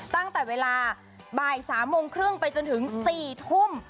ตั้งแต่เวลาบ่าย๓โมงครึ่งไปจนถึง๔ทุ่ม